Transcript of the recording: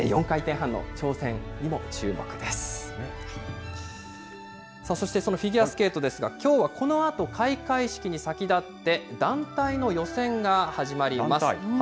そしてそのふいーすけーとですが、そのフィギュアスケートですが、きょうはこのあと開会式に先立って、団体の予選が始まります。